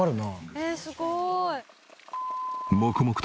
えっすごーい。